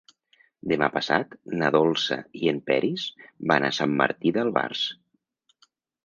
Demà passat na Dolça i en Peris van a Sant Martí d'Albars.